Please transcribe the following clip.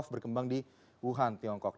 berkembang di wuhan tiongkok